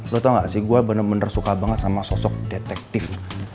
lo tau gak sih gue bener bener suka banget sama sosok detektif